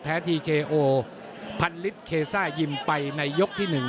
พันลิตรเคซ่ายิมไปในยกที่หนึ่ง